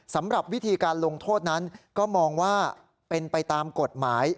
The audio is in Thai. สำหรับวิธีการลงโทษนั้นก็มองว่าเป็นไปตามกฎหมาย